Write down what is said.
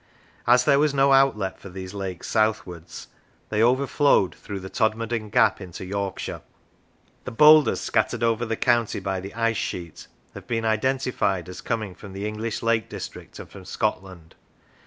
As there was no outlet for these lakes southwards, they overflowed through the Todmorden gap into Yorkshire. The boulders scattered over the county by the ice sheet have been identified as coming from the English Lake District and from Scotland.